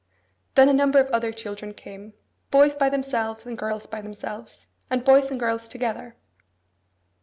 Then a number of other children came; boys by themselves, and girls by themselves, and boys and girls together.